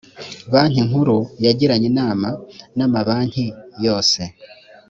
banki nkuru yagiranye inama na mabanki yose